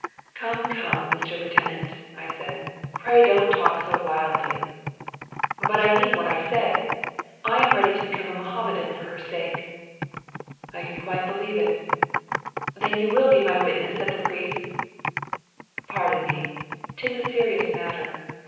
"Come, come, Mr. Lieutenant," I said, "pray don't talk so wildly." "But I mean what I say I am ready to become a Mohammedan for her sake." "I can quite believe it." "Then you will be my witness at the priest's?" "Pardon me. 'Tis a serious matter.